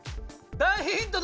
大ヒントだ